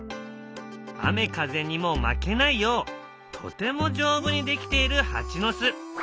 雨風にも負けないようとても丈夫にできているハチの巣。